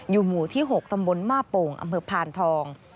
หมู่ที่๖ตำบลมาโป่งอำเภอพานทอง